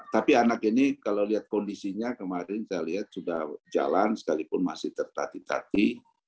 tapi anak ini kalau melihat kondisinya kemarin sudah jalan sekalipun masih tertati tati